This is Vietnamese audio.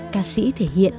ca sĩ thể hiện